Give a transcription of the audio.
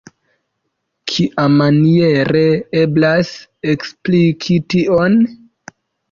Kiamaniere eblas ekspliki tion?